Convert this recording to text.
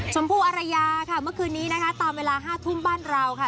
ชมพู่อารยาค่ะเมื่อคืนนี้นะคะตามเวลา๕ทุ่มบ้านเราค่ะ